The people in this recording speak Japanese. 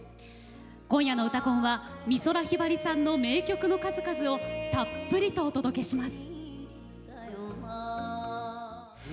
今夜の「うたコン」は美空ひばりさんの名曲の数々をたっぷりとお届けします。